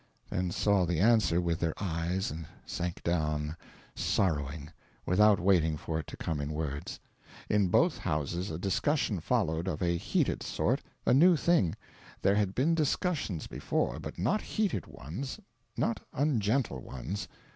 then saw the answer with their eyes and sank down sorrowing, without waiting for it to come in words. In both houses a discussion followed of a heated sort a new thing; there had been discussions before, but not heated ones, not ungentle ones.